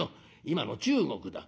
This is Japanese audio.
今の中国だ。